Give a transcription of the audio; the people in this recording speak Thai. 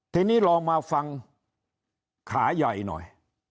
ทีนี้ลองมาฟังขาใหญ่หน่อย